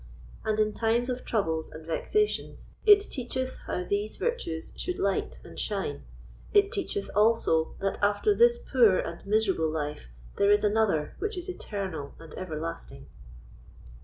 And in times of troubles and vexations, it teacheth how these virtues should light and shine; it teacheth, also, that after this poor and miserable life there is another which is eternal and everlasting.